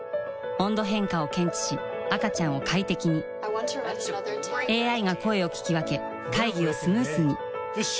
温度変化を検知し赤ちゃんを快適にＡＩが声を聞き分け会議をスムースによし！